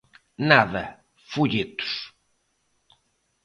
Nada, ¡folletos!